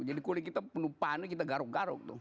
jadi kulit kita penuh panu kita garuk garuk tuh